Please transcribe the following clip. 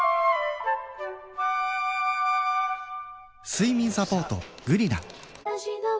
睡眠サポート「グリナ」